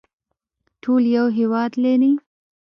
ټول یو هیواد لري